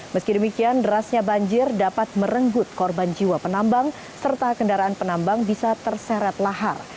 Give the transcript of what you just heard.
meski demikian derasnya banjir dapat merenggut korban jiwa penambang serta kendaraan penambang bisa terseret lahar